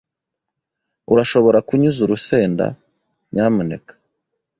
Urashobora kunyuza urusenda, nyamuneka?